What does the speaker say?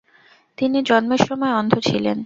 তিনি জন্মের সময় অন্ধ ছিলেন।